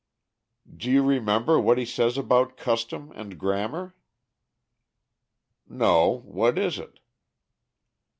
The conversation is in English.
"Do you remember what he says about custom and grammar?" "No. What is it?"